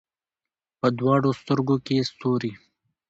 په دواړو سترګو کې یې ستوري